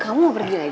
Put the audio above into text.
kamu pergi aja